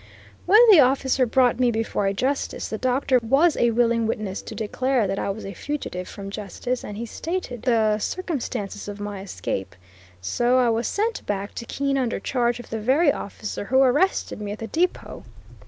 When the officer brought me before a justice, the doctor was a willing witness to declare that I was a fugitive from justice, and he stated the circumstances of my escape. So I was sent back to Keene under charge of the very officer who arrested me at the depot.